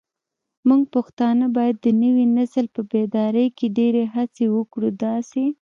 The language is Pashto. موږ پښتانه بايد د نوي نسل په بيداري کې ډيرې هڅې وکړو داسې